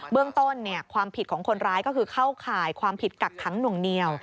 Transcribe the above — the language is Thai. เรื่องต้นความผิดของคนร้ายก็คือเข้าข่ายความผิดกักขังหน่วงเหนียว